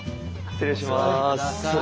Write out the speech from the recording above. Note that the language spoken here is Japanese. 失礼します。